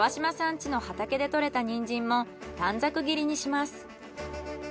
家の畑で採れたニンジンも短冊切りにします。